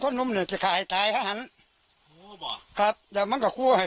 คนที่อยู่ประมาณเท่าไหร่